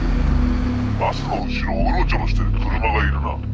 バスの後ろをウロチョロしてる車がいるな。